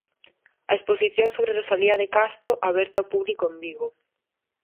A exposición sobre Rosalía de Castro, aberta ao público en Vigo.